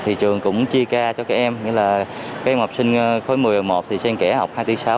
trường cũng chia ca cho các em các em học sinh khối một mươi một mươi một sẽ kể học hai sáu ba năm bảy